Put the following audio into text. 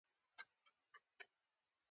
ایا زه باید پارلمان ته لاړ شم؟